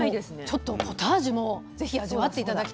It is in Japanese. ちょっとポタージュも是非味わって頂きたいんですけど。